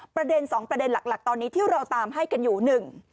ประเด็นสองประเด็นหลักหลักตอนนี้ที่เราตามให้กันอยู่หนึ่ง